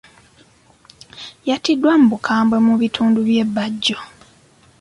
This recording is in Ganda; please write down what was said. Yattiddwa mu bukambwe mu bitundu bye Bajjo.